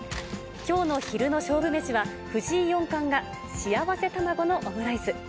きょうの昼の勝負飯は、藤井四冠がしあわせ卵のオムライス。